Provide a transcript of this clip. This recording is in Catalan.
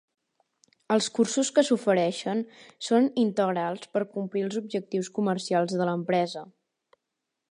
Els cursos que s'ofereixen són integrals per complir els objectius comercials de l'empresa.